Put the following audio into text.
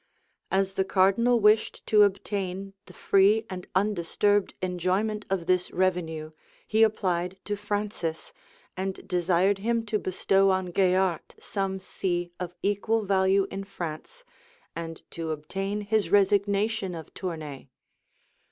As the cardinal wished to obtain the free and undisturbed enjoyment of this revenue, he applied to Francis, and desired him to bestow on Gaillart some see of equal value in France, and to obtain his resignation of Tournay.